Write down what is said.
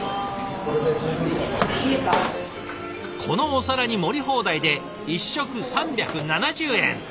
このお皿に盛り放題で１食３７０円。